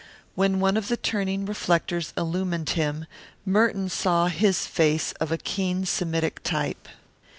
When one of the turning reflectors illumined him Merton saw his face of a keen Semitic type.